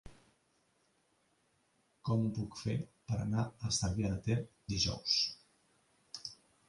Com ho puc fer per anar a Cervià de Ter dijous?